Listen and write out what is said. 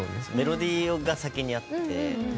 メロディーが先にあって。